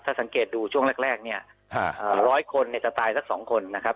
ถ้าสังเกตดูช่วงแรกเนี่ย๑๐๐คนจะตายซัก๒คนนะครับ